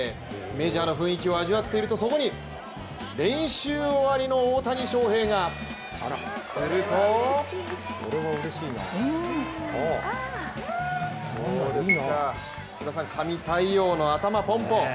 メジャーの雰囲気を味わっているとそこに、練習終わりの大谷翔平が。すると、神対応の頭ポンポン。